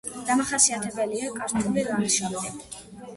დამახასიათებელია კარსტული ლანდშაფტი.